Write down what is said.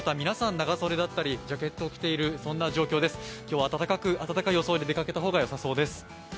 長袖だったりジャケットを着ているそんな状況です、今日は暖かい様相で出かけた方が良さそうです。